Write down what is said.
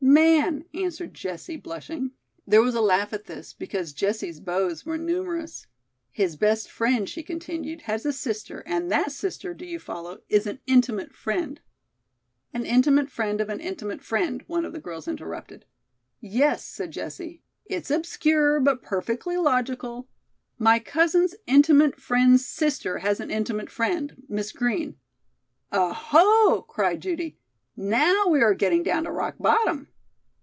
"Man," answered Jessie, blushing. There was a laugh at this, because Jessie's beaux were numerous. "His best friend," she continued, "has a sister, and that sister do you follow is an intimate friend " "'An intimate friend of an intimate friend,'" one of the girls interrupted. "Yes," said Jessie, "it's obscure, but perfectly logical. My cousin's intimate friend's sister has an intimate friend Miss Green " "Oh, ho!" cried Judy. "Now we are getting down to rock bottom."